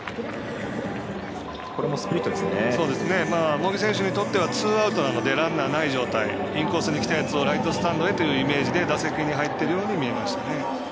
茂木選手にとってはツーアウトなのでランナーない状態インコースにきたのをライトスタンドへというイメージで打席に入っているように見えましたね。